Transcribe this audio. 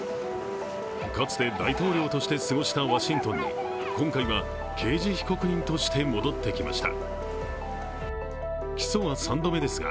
かつて大統領として過ごしたワシントンに、今回は刑事被告人として戻ってきました。